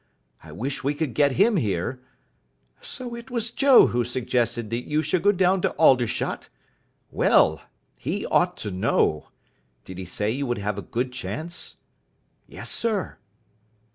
I wish we could get him here. So it was Joe who suggested that you should go down to Aldershot? Well, he ought to know. Did he say you would have a good chance?" "Yes, sir."